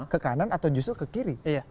ke kanan atau justru ke kiri